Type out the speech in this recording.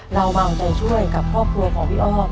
เรามาเอาใจช่วยกับครอบครัวของพี่อ้อม